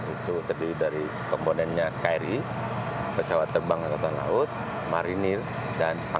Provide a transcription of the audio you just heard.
itu terdiri dari komponennya kri pesawat terbang angkatan laut marinir dan pangli